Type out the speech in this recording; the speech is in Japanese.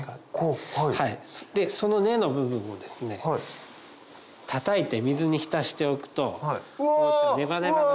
その根の部分をたたいて水に浸しておくとこうやってネバネバが。